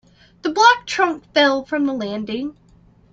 The black trunk fell from the landing.